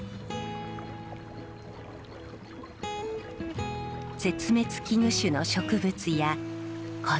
絶滅危惧種の植物や昆虫。